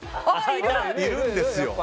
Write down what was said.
いるんですよ。